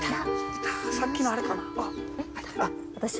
さっきのあれかな？